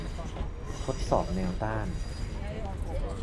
ทดสอบแนวต้าน